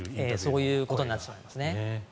そういうことになってしまいますね。